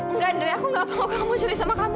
enggak dary aku nggak mau kamu cerai sama kamu